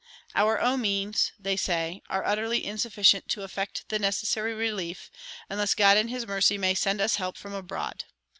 "Our own means" (they say) "are utterly insufficient to effect the necessary relief, unless God in his mercy may send us help from abroad.